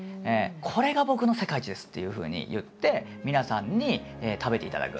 「これが僕の世界一です」っていうふうに言って皆さんに食べていただく。